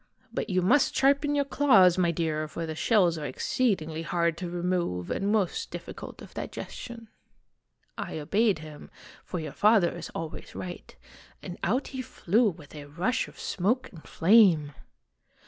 But you must sharpen your claws, my clear, for the shells are exceedingly hard to remove and most difficult of digestion. " I obeyed him, for your father is always right, and out he flew with a rush of smoke and flame."